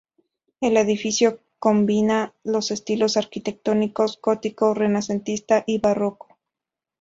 El edificio combina los estilos arquitectónicos Gótico, Renacentista y Barroco.